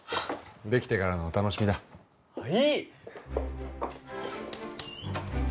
できてからのお楽しみだはい